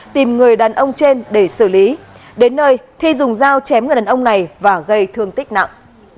tìm người đàn ông trên để xử lý đến nơi thi dùng dao chém người đàn ông này và gây thương tích nặng